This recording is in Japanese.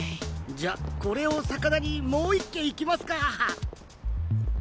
じゃこれをさかなにもう一軒行きますか。